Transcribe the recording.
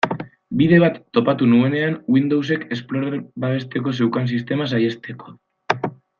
Bide bat topatu nuenean Windowsek Explorer babesteko zeukan sistema saihesteko.